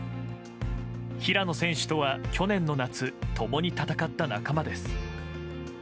平野選手とは去年の夏共に戦った仲間です。